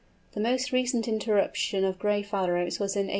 The most recent irruption of Gray Phalaropes was in 1886.